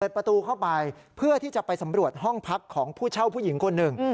ประตูเข้าไปเพื่อที่จะไปสำรวจห้องพักของผู้เช่าผู้หญิงคนหนึ่ง